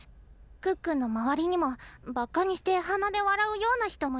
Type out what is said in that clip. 可可の周りにもばかにして鼻で笑うような人もいて。